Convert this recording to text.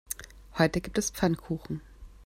Heute gibt es Pfannkuchen.